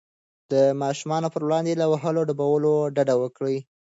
د ماشومانو پر وړاندې له وهلو ډبولو ډډه وکړئ.